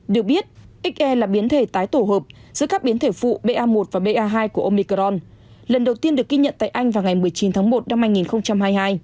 được biết xr là biến thể tái tổ hợp giữa các biến thể phụ ba một và ba hai của omicron lần đầu tiên được ghi nhận tại anh vào ngày một mươi chín tháng một năm hai nghìn hai mươi hai